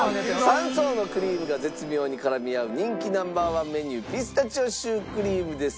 ３層のクリームが絶妙に絡み合う人気ナンバーワンメニューピスタチオシュークリームですか？